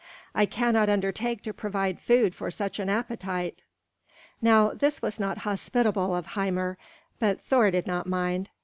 I cannot undertake to provide food for such an appetite!" Now this was not hospitable of Hymir, but Thor did not mind.